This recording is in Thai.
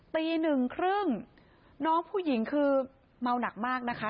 ตีหนึ่งครึ่งน้องผู้หญิงคือเมาหนักมากนะคะ